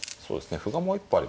あ歩がもう一歩あれ